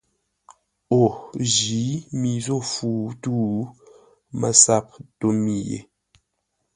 O jǐ mi zô fu tû. MASAP tó mi yé.